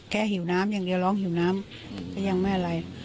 หิวน้ำอย่างเดียวร้องหิวน้ำก็ยังไม่อะไร